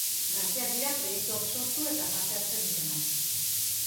Gazteak dira proiektu hau sortu eta parte hartzen dutenak.